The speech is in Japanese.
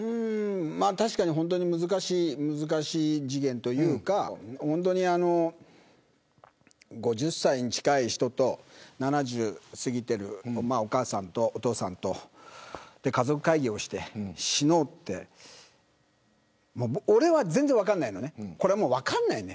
確かに難しい事件というか５０歳に近い人と７０を過ぎているお母さんとお父さんと家族会議をして死のうって俺は全然、分からないのね。